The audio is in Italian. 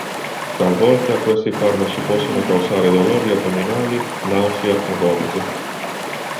Talvolta questi farmaci possono causare dolori addominali, nausea e vomito.